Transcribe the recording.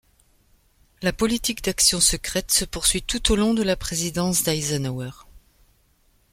La politique d'action secrète se poursuit tout au long de la présidence d'Eisenhower.